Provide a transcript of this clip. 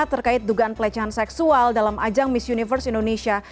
terkait dugaan pelecehan seksual dalam ajang miss universe indonesia